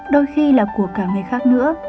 đôi khi là của cả người khác nữa